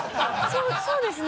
そうですね。